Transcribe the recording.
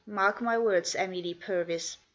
Mark my words, Emily Purvis !